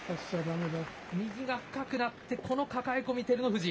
右が深くなってこの抱え込み、照ノ富士。